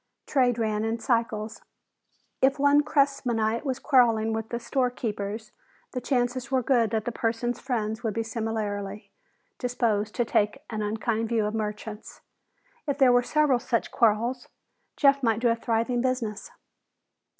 Trade ran in cycles. If one Cressmanite was quarreling with the storekeepers, the chances were good that the person's friends would be similarly disposed to take an unkind view of merchants. If there were several such quarrels, Jeff might do a thriving business.